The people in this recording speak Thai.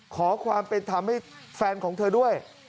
ขอความเป็นธรรมให้แฟนของเธอด้วย